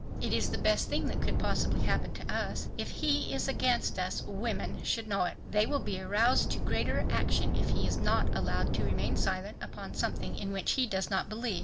"It is the best thing that could possibly happen to us. If he is against us, women should know it. They will be aroused to greater action if he is not allowed to remain silent upon something in which he does not believe.